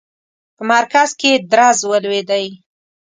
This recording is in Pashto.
په مرکز کې درز ولوېدی.